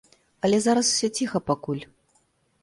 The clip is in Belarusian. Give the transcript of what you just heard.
Але зараз усё ціха пакуль.